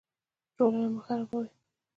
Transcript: ټولنه مه خرابوئ